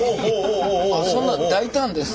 そんな大胆ですね。